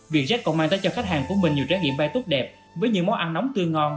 vietjet còn mang tới cho khách hàng của mình nhiều trải nghiệm bay tốt đẹp với những món ăn nóng tươi ngon